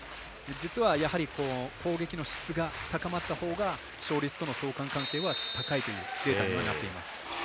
実は、攻撃の質が高まったほうが勝率との相関関係は高いというデータになっています。